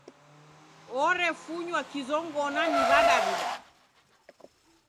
Orefunywa kizongona ni W'adaw'ida.